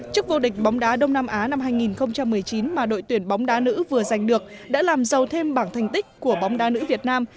chức vô địch bóng đá đông nam á năm hai nghìn một mươi chín mà đội tuyển bóng đá nữ vừa giành được đã làm giàu thêm bảng thành tích của bóng đá nữ việt nam